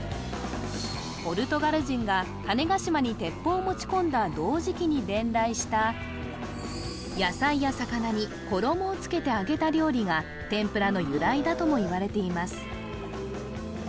ポルトガル人が種子島に鉄砲を持ち込んだ同時期に伝来した野菜や魚に衣をつけて揚げた料理が天ぷらの由来だともいわれています